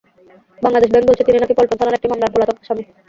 Bangladesh bank বলেছে, তিনি নাকি পল্টন থানার একটি মামলার পলাতক আসামি।